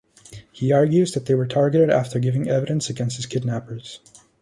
He argues that they were targeted after giving evidence against his kidnappers.